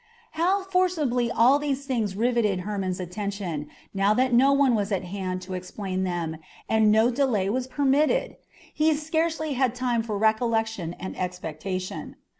How forcibly all these things riveted Hermon's attention, now that no one was at hand to explain them and no delay was permitted! He scarcely had time for recollection and expectation.